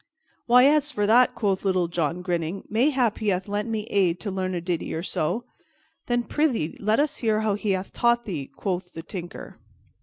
"Why, as for that," quoth Little John, grinning, "mayhap he hath lent me aid to learn a ditty or so." "Then, prythee, let us hear how he hath taught thee," quoth the Tinker.